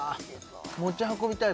持ち運びたい